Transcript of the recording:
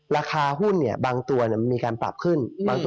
ราคาหุ้นบางตัวมีการปรับขึ้น